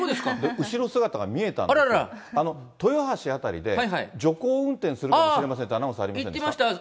後ろ姿が見えたんですけど、豊橋辺りで、徐行運転するかもしれませんっていうアナウンスあり言ってました。